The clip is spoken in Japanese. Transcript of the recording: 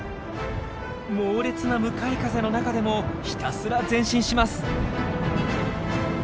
猛烈な向かい風の中でもひたすら前進します！